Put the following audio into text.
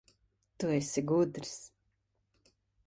Tu esi gudrs.